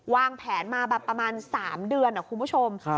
วางแผนมาประมาณ๓เดือนครับคุณผู้ชม